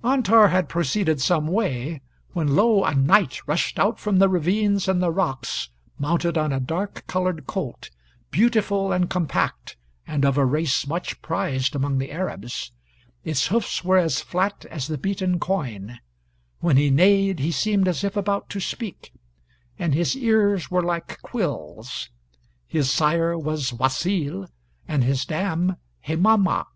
] Antar had proceeded some way, when lo! a knight rushed out from the ravines in the rocks, mounted on a dark colored colt, beautiful and compact, and of a race much prized among the Arabs; his hoofs were as flat as the beaten coin; when he neighed he seemed as if about to speak, and his ears were like quills; his sire was Wasil and his dam Hemama.